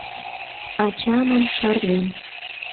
Ачамым шарнен